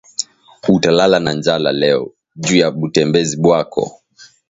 Uta lala na njala leo juya butembezi bwako